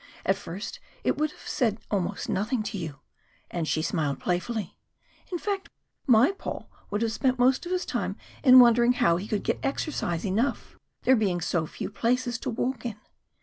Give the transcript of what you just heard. At first it would have said almost nothing to you," and she smiled playfully. "In fact, my Paul would have spent most of his time in wondering how he could get exercise enough, there being so few places to walk in!